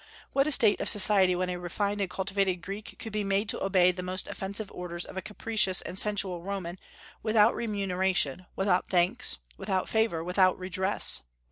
What a state of society when a refined and cultivated Greek could be made to obey the most offensive orders of a capricious and sensual Roman, without remuneration, without thanks, without favor, without redress!